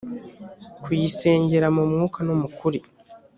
kuyisengera mu mwuka no mu kuri